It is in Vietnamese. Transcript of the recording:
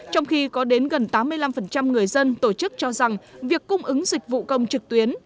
trong khi có đến gần tám mươi năm người dân tổ chức cho rằng việc cung ứng dịch vụ công trực tuyến